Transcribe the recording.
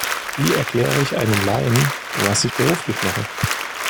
Wie erkläre ich einem Laien, was ich beruflich mache?